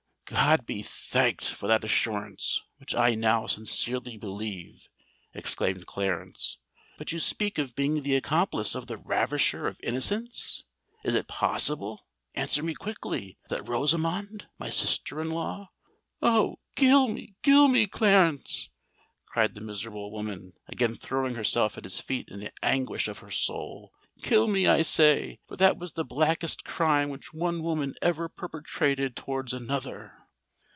"God be thanked for that assurance, which I now sincerely believe!" exclaimed Clarence. "But you speak of being the accomplice of the ravisher of innocence? Is it possible—answer me quickly—that Rosamond—my sister in law——" "Oh! kill me—kill me, Clarence!" cried the miserable woman, again throwing herself at his feet in the anguish of her soul: "kill me, I say—for that was the blackest crime which one woman ever perpetrated towards another!"